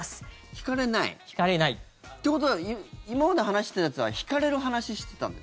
引かれない。ということは今まで話してたやつは引かれる話してたの？